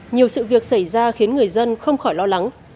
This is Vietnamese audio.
nhiều sự việc xảy ra khiến người dân không khỏi lo lắng